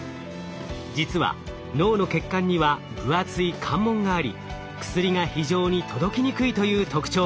実は脳の血管には分厚い関門があり薬が非常に届きにくいという特徴が。